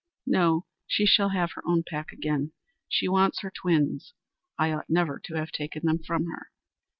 "No, she shall have her own pack again. She wants her twins. I ought never to have taken them from her!"